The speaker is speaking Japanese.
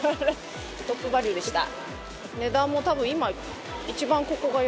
トップバリュでした。